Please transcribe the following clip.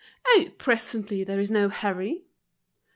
"Oh, presently, there is no hurry."